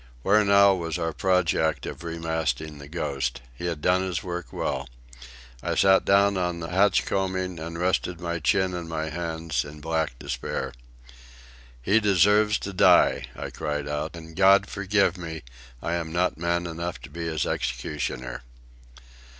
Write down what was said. Where now was our project of remasting the Ghost? He had done his work well. I sat down on the hatch combing and rested my chin on my hands in black despair. "He deserves to die," I cried out; "and God forgive me, I am not man enough to be his executioner."